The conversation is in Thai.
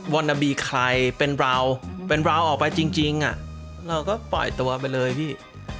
อนาบีใครเป็นเราเป็นเราออกไปจริงเราก็ปล่อยตัวไปเลยพี่